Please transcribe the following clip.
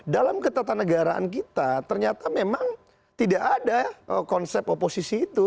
dalam ketatanegaraan kita ternyata memang tidak ada konsep oposisi itu